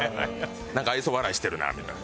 なんか愛想笑いしてるなみたいな。